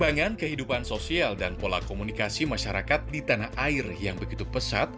perkembangan kehidupan sosial dan pola komunikasi masyarakat di tanah air yang begitu pesat